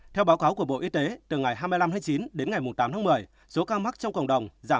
theo báo cáo của bộ y tế từ ngày hai mươi năm hai mươi chín đến ngày tám một mươi số ca mắc trong cộng đồng giảm bốn mươi bốn